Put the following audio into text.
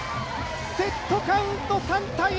セットカウント３−１！